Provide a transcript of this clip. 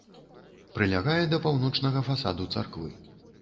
Прылягае да паўночнага фасаду царквы.